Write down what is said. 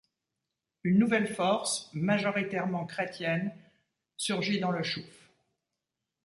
Une nouvelle force, majoritairement chrétienne, surgit dans le Chouf.